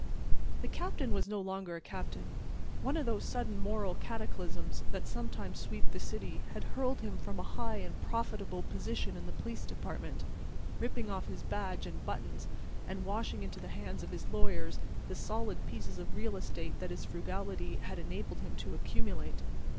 The captain was no longer a captain. One of those sudden moral cataclysms that sometimes sweep the city had hurled him from a high and profitable position in the Police Department, ripping off his badge and buttons and washing into the hands of his lawyers the solid pieces of real estate that his frugality had enabled him to accumulate.